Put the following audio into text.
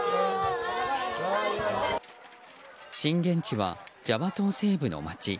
震源地はジャワ島西部の町。